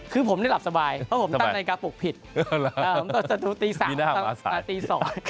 คือผมแหล่บสบายเพราะผมตั้งไนกระปุกผิด